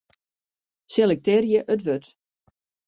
Selektearje it wurd.